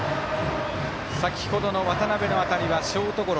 先ほどの渡邊の当たりはショートゴロ。